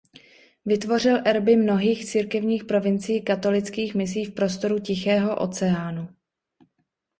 Vytvořil erby mnohých církevních provincií katolických misí v prostoru Tichého oceánu.